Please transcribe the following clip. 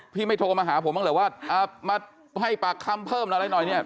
ไม่โทรมาหาผมบ้างเหรอว่ามาให้ปากคำเพิ่มอะไรหน่อยเนี่ย